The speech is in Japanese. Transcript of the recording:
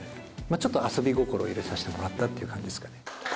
ちょっと遊び心を入れさせてもらったっていう感じですかね。